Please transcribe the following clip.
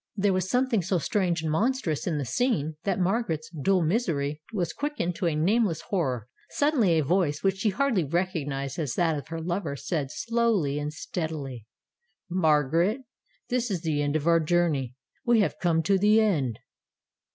There was something so strange and monstrous in the scene that Margaret's dull misery was quickened to a nameless horror. Suddenly a voice, which she hardly recognized as that of her lover, said slowly and steadily: "Margaret, this is the end of our journey; we have come to the end."